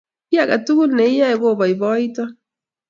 Kiy ake tukul ne iyoe kopoipoiton.